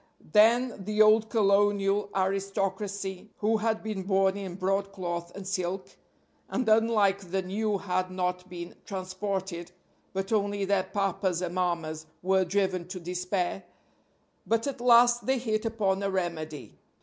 Then the old colonial aristocracy, who had been born in broadcloth and silk, and unlike the new had not been transported, but only their papas and mammas, were driven to despair; but at last they hit upon a remedy.